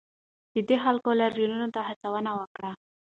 ده د خلکو لاریونونو ته هڅونه وکړه.